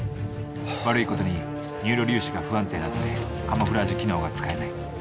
悪い事にニューロ粒子が不安定なためカモフラージュ機能が使えない。